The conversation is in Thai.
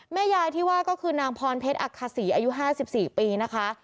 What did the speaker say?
แม่ยายที่ว่าก็คือนางพรเพชรอักษีอายุ๕๔ปีนะคะ